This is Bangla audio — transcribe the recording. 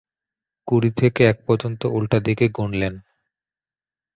কুড়ি থেকে এক পর্যন্ত উল্টো দিকে গুনলেন।